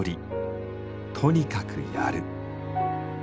とにかくやる。